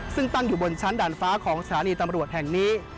ซึ่งตั้งอยู่บนชั้นด่านฟ้าของสถานีตำรวจแห่งนี้